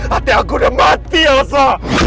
hati aku udah mati asal